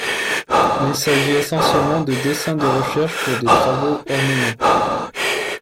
Il s’agit essentiellement de dessins de recherche pour des travaux ornementaux.